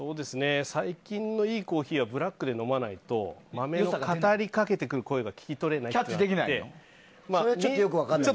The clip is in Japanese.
最近のいいコーヒーはブラックで飲まないと豆の語り掛けてくる声がキャッチできなくて。